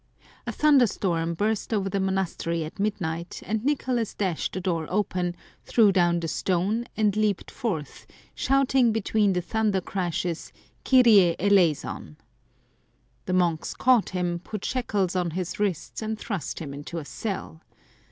A thunderstorm burst over the monastery at midnight, and Nicolas dashed the door open, threw down the stone, and leaped forth, shouting between the thunder crashes, "Kyrie eleison!" The monks caught him, put shackles on his wrists, and thrust him into a cell.